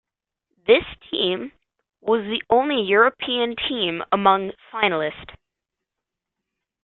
This team was the only European team among finalists.